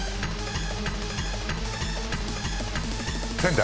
仙台。